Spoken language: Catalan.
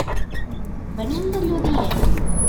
Venim de Lludient.